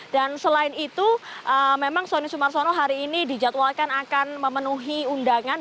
dan selain itu memang sony sumarsono hari ini dijadwalkan akan memenuhi undangan